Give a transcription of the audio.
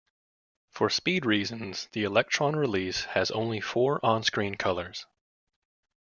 For speed reasons, the Electron release has only four on-screen colours.